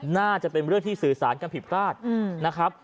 น่าจะเป็นเรื่องที่สื่อสารกันผิดพลาดนะครับ